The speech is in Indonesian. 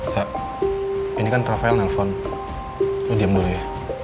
sa ini kan rafael yang telfon lo diem dulu ya